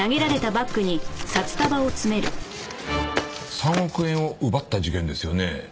３億円を奪った事件ですよね？